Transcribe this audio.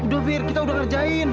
duh fir kita udah ngerjain